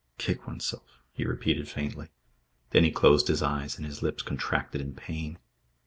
Kick oneself," he repeated faintly. Then he closed his eyes and his lips contracted in pain.